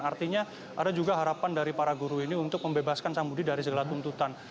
artinya ada juga harapan dari para guru ini untuk membebaskan sambudi dari segala tuntutan